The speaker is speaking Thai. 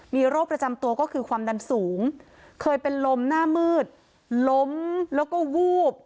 มีโรคประจำตัวก็คือความดันสูงเคยเป็นลมหน้ามืดล้มแล้วก็วูบ